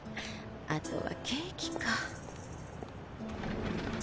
あとはケーキか。